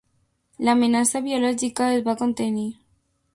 L'amenaça biològica es va contenir.